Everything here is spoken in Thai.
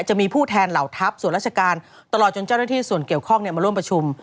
จะมีผู้แทนเหล่าทัพส่วนราชการตลอดจนเจ้าหน้าที่ส่วนเกี่ยวข้องมาร่วมประชุม